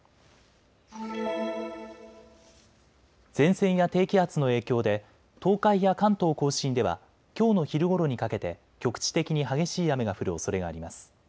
前線や低気圧の影響で東海や関東甲信ではきょうの昼ごろにかけて局地的に激しい雨が降るおそれがあります。